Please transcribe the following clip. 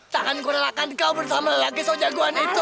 takkan kurerahkan kau bersama lagi so jagoan itu